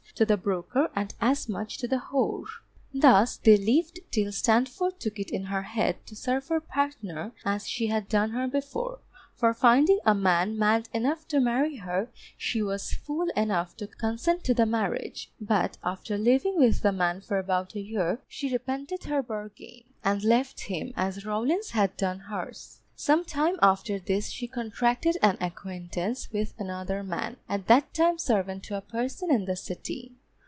to the broker, and as much to the whore. Thus they lived till Standford took it in her head to serve her partner as she had done her before, for finding a man mad enough to marry her, she was fool enough to consent to the marriage. But after living with the man for about a year, she repented her bargain, and left him, as Rawlins had done hers. Some time after this she contracted an acquaintance with another man, at that time servant to a person in the City.